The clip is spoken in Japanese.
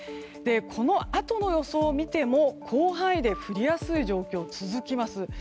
このあとの予想を見ても広範囲で降りやすい状況が続きます。